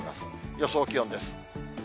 予想気温です。